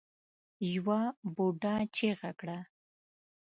يوه بوډا چيغه کړه.